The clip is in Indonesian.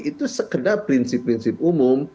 itu sekedar prinsip prinsip umum